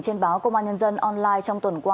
trên báo công an nhân dân online trong tuần qua